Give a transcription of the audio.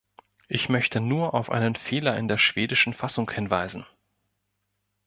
Ich möchte nur auf einen Fehler in der schwedischen Fassung hinweisen.